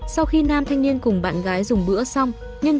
sau khi nam thanh niên cùng bạn gái dùng bữa xong nhưng